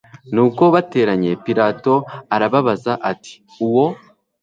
Nuko bateranye Pilato arababaza ati Uwo